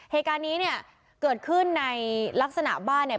เหตุการณ์นี้เนี่ยเกิดขึ้นในลักษณะบ้านเนี่ย